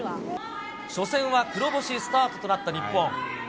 初戦は黒星スタートとなった日本。